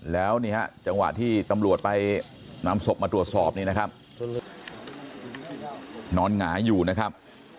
แล้วนี่ฮะจังหวะที่ตำรวจไปนำศพมาตรวจสอบนี่นะครับนอนหงายอยู่นะครับ